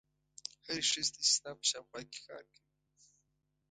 هرې ښځې ته چې ستا په شاوخوا کې کار کوي.